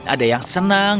ada yang senang